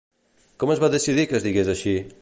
Com es va decidir que es digués així?